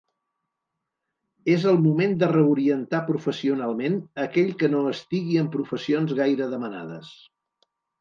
És el moment de reorientar professionalment aquell que no estigui en professions gaire demanades.